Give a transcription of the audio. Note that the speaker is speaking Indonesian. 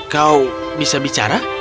kau bisa bicara